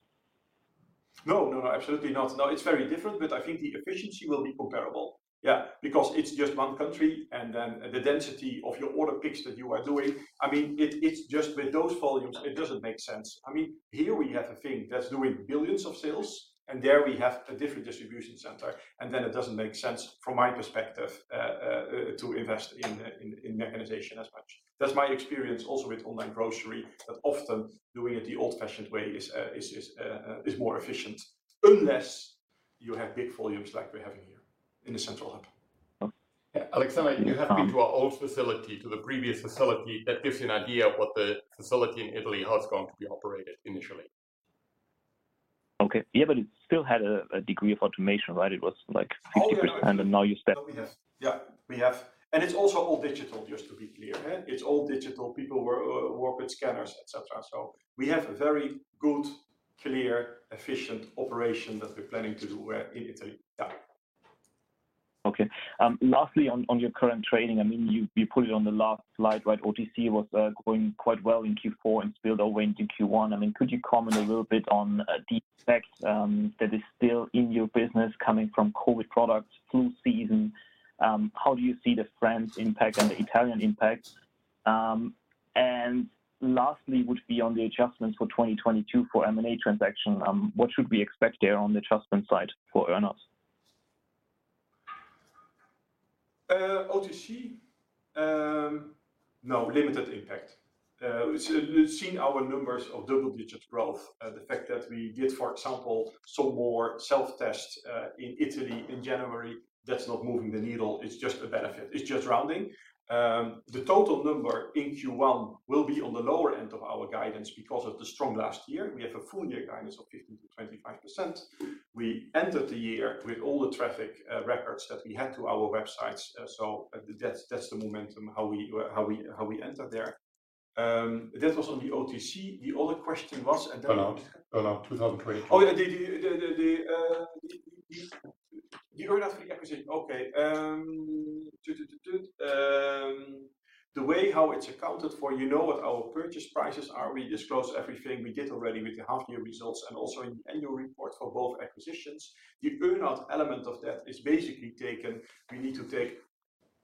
No, no, absolutely not. No, it's very different, but I think the efficiency will be comparable. Yeah, because it's just one country, and then the density of your order picks that you are doing. I mean, it's just with those volumes, it doesn't make sense. I mean, here we have a thing that's doing billions of sales, and there we have a different distribution center, and then it doesn't make sense from my perspective to invest in mechanization as much. That's my experience also with online grocery, that often doing it the old-fashioned way is more efficient. Unless you have big volumes like we have here in the central hub. Okay. Alexander, you have been to our old facility, to the previous facility, that gives you an idea of what the facility in Italy how it's going to be operated initially. Okay. Yeah, but it still had a degree of automation, right? It was like 60% and now you said. Oh, yeah. No, we have. Yeah, we have. It's also all digital, just to be clear. It's all digital. People work with scanners, et cetera. So we have a very good, clear, efficient operation that we're planning to do in Italy. Yeah. Okay. Lastly, on your current trading, I mean, you put it on the last slide, right? OTC was going quite well in Q4 and spilled over into Q1. I mean, could you comment a little bit on the effect that is still in your business coming from COVID products, flu season? How do you see the France impact and the Italian impact? Lastly would be on the adjustments for 2022 for M&A transaction. What should we expect there on the adjustment side for earn-outs? OTC, no limited impact. We've seen our numbers of double-digit growth. The fact that we did, for example, some more self-tests in Italy in January, that's not moving the needle. It's just a benefit. It's just rounding. The total number in Q1 will be on the lower end of our guidance because of the strong last year. We have a full year guidance of 15%-25%. We ended the year with all the traffic records that we had to our websites. That's the momentum, how we enter there. That was on the OTC. The other question was? Earn-out. Oh, yeah. The earn-out of the acquisition. Okay. The way how it's accounted for, you know what our purchase prices are. We disclosed everything we did already with the half-year results and also in the annual report for both acquisitions. The earn-out element of that is basically taken. We need to take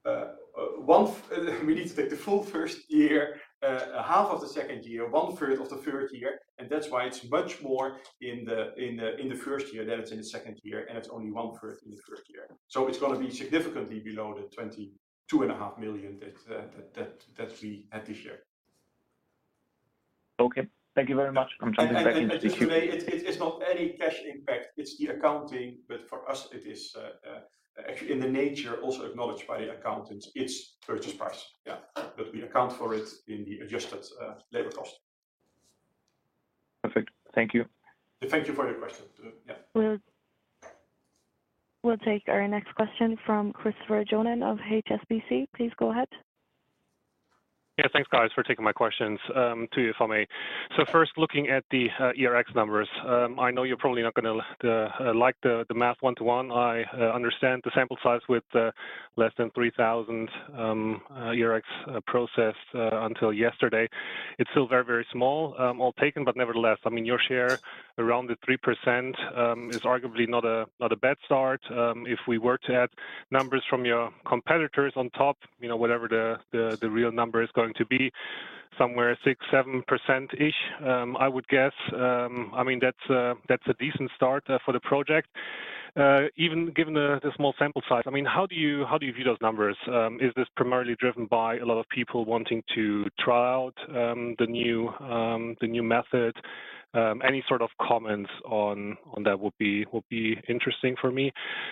the full first year, 1/2 of the second year, 1/3 of the third year, and that's why it's much more in the first year than it's in the second year, and it's only 1/3 in the third year. It's gonna be significantly below the 22.5 million that we had to share. Okay. Thank you very much. I'm jumping back into the queue. Just to say, it's not any cash impact, it's the accounting. For us it is actually in the nature also acknowledged by the accountants, it's purchase price. Yeah. We account for it in the adjusted labor cost Perfect. Thank you Thank you for your question. Yeah We'll take our next question from Christopher Johnen of HSBC. Please go ahead. Yeah. Thanks, guys, for taking my questions. Two, if I may. First, looking at the eRx numbers, I know you're probably not gonna like the math one-to-one. I understand the sample size with less than 3,000 eRx processed until yesterday. It's still very, very small, all taken. Nevertheless, I mean, your share around the 3% is arguably not a bad start. If we were to add numbers from your competitors on top, you know, whatever the real number is going to be, somewhere 6%-7%ish, I would guess. I mean, that's a decent start for the project. Even given the small sample size, I mean, how do you view those numbers? Is this primarily driven by a lot of people wanting to try out the new method? Any sort of comments on that would be interesting for me.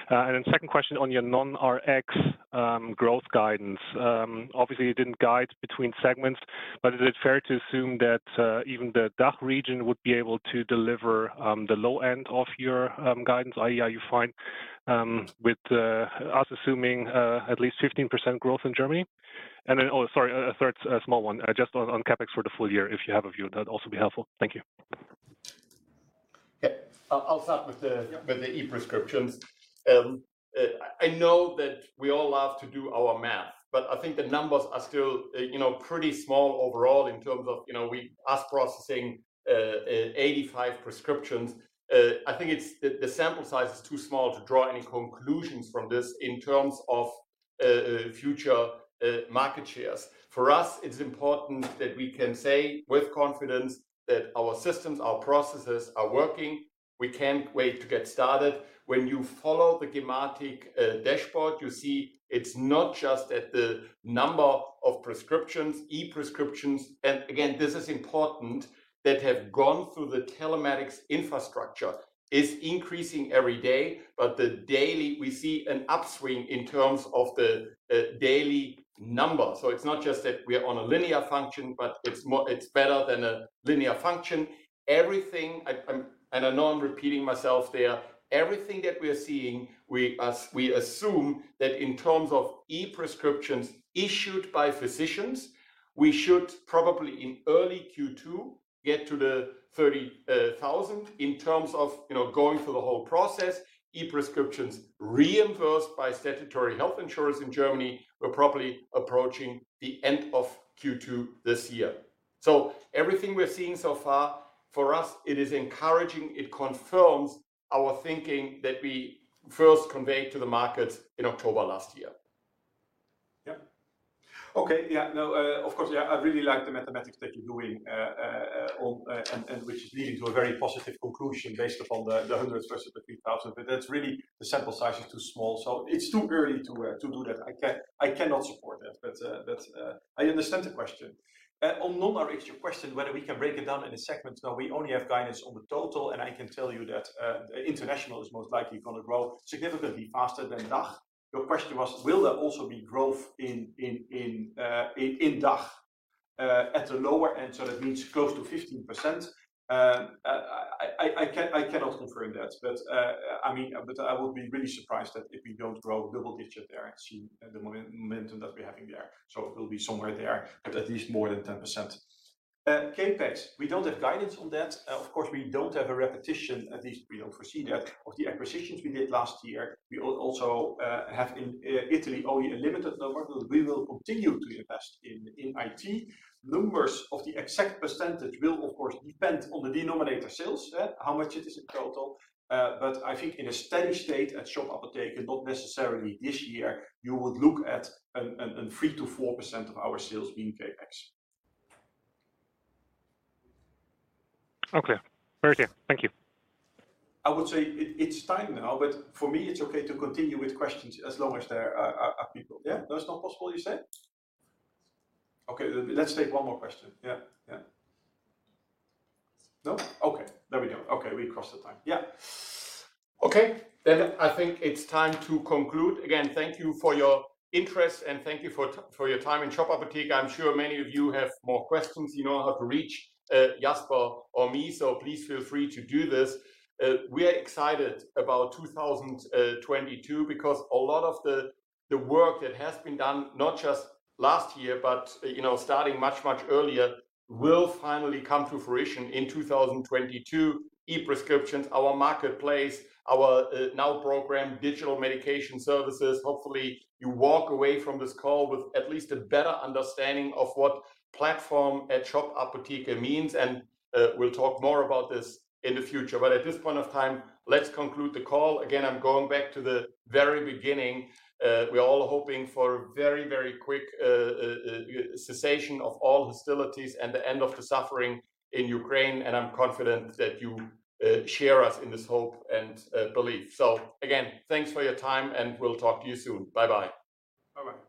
Second question on your non-Rx growth guidance. Obviously, you didn't guide between segments, but is it fair to assume that even the DACH region would be able to deliver the low end of your guidance, i.e. are you fine with us assuming at least 15% growth in Germany? Oh, sorry, a third small one just on CapEx for the full year. If you have a view, that'd also be helpful. Thank you. Yeah. I'll start with with the e-prescriptions. I know that we all love to do our math, but I think the numbers are still, you know, pretty small overall in terms of, you know, us processing 85 prescriptions. I think the sample size is too small to draw any conclusions from this in terms of future market shares. For us, it's important that we can say with confidence that our systems, our processes are working. We can't wait to get started. When you follow the Gematik dashboard, you see it's not just that the number of prescriptions, e-prescriptions, and again this is important, that have gone through the telematics infrastructure is increasing every day. But the daily, we see an upswing in terms of the daily number. It's not just that we're on a linear function, but it's more, it's better than a linear function. I know I'm repeating myself there. Everything that we are seeing, we assume that in terms of e-prescriptions issued by physicians, we should probably in early Q2 get to the 30,000. In terms of, you know, going through the whole process, e-prescriptions reimbursed by statutory health insurers in Germany, we're probably approaching the end of Q2 this year. Everything we're seeing so far, for us, it is encouraging. It confirms our thinking that we first conveyed to the market in October last year. No, of course, I really like the mathematics that you're doing, and which is leading to a very positive conclusion based upon the hundreds versus the few thousand. That's really the sample size is too small, so it's too early to do that. I cannot support that. I understand the question. On non-Rx, it's your question whether we can break it down into segments. No, we only have guidance on the total, and I can tell you that international is most likely gonna grow significantly faster than DACH. Your question was will there also be growth in DACH at the lower end, so that means close to 15%. I cannot confirm that. I mean, I would be really surprised if we don't grow double-digit there and see the momentum that we're having there. It will be somewhere there, but at least more than 10%. CapEx, we don't have guidance on that. Of course, we don't have a repetition, at least we don't foresee that, of the acquisitions we did last year. We also have in Italy only a limited number. We will continue to invest in IT. Numbers of the exact percentage will of course depend on the denominator sales, how much it is in total. I think in a steady state at Shop Apotheke, not necessarily this year, you would look at 3%-4% of our sales being CapEx. Okay. Very clear. Thank you. I would say it's time now, but for me, it's okay to continue with questions as long as there are people. Yeah? No, it's not possible you say? Okay. Let's take one more question. Yeah, yeah. No? Okay. There we go. Okay, we crossed the time. Yeah. Okay. I think it's time to conclude. Again, thank you for your interest, and thank you for your time in Shop Apotheke. I'm sure many of you have more questions. You know how to reach Jasper or me, so please feel free to do this. We are excited about 2022 because a lot of the work that has been done, not just last year, but you know, starting much earlier, will finally come to fruition in 2022, e-prescriptions, our marketplace, our Now! program, digital medication services. Hopefully, you walk away from this call with at least a better understanding of what platform at Shop Apotheke means, and we'll talk more about this in the future. At this point of time, let's conclude the call. Again, I'm going back to the very beginning. We're all hoping for a very quick cessation of all hostilities and the end of the suffering in Ukraine, and I'm confident that you share with us in this hope and belief. Again, thanks for your time, and we'll talk to you soon. Bye-bye. Bye-bye.